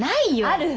ある。